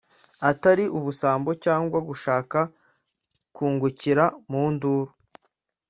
atari ubusambo cyangwa gushaka kungukira mu nduru